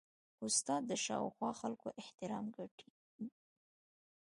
استاد د شاوخوا خلکو احترام ګټي.